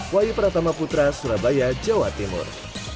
wahyu pratama putra surabaya jawa timur